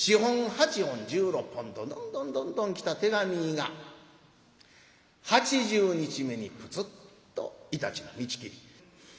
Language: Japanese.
４本８本１６本とどんどんどんどん来た手紙が８０日目にプツッといたちの道切り。